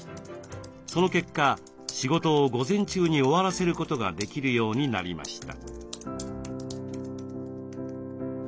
その結果仕事を午前中に終わらせることができるようになりました。